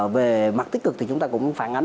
về mặt tích cực thì chúng ta cũng phản ánh